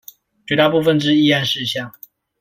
絕大部分之議案事項